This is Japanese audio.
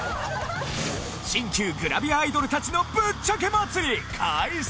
新旧グラビアアイドルたちのぶっちゃけ祭り開催！